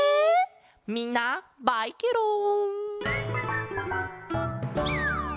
みんなバイケロン！